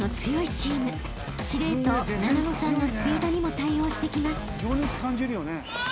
［司令塔ななのさんのスピードにも対応してきます］